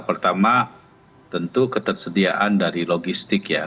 pertama tentu ketersediaan dari logistik ya